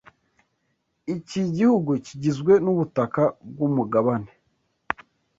iki gihugu kigizwe nubutaka bwumugabane